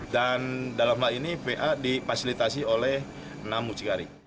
dan dalam hal ini va dipasilitasi oleh enam muncikari